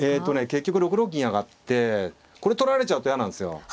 結局６六銀上がってこれ取られちゃうと嫌なんですよ。